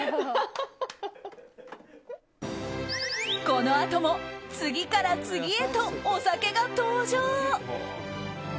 このあとも次から次へとお酒が登場！